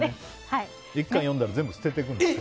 １巻読んだら全部捨ててくんです。